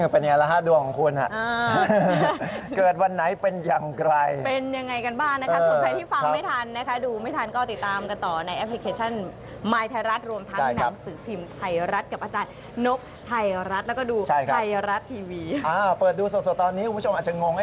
เปิดดูโซโสตอนนี้คุณผู้ชมอาจจะงง